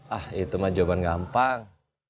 ah itu mah jawaban gampang